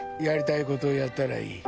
やりたいことやったらいい。